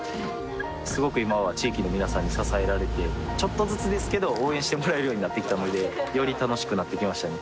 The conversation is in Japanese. すごく今は地域の皆さんに支えられてちょっとずつですけど応援してもらえるようになってきたのでより楽しくなってきましたね